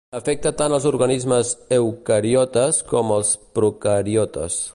Afecta tant els organismes eucariotes com els procariotes.